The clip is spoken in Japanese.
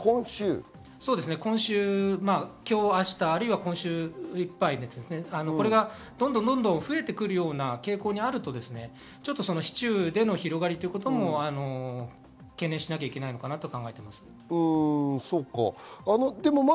今日と明日、あるいは今週いっぱい、どんどん増えてくるような傾向にあると市中での広がりということも懸念しなきゃいけないのかなと考えます。